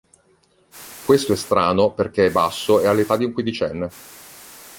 Questo è strano perché è basso e ha l'età di un quindicenne.